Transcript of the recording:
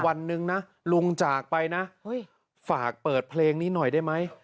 วันหนึ่งนะลุงจากไปนะฝากเปิดเพลงนี้หน่อยได้ไหม